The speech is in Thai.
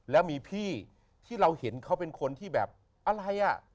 แล้วมีพี่ที่เราเห็นเขาเป็นคนที่แบบอะไรอ่ะ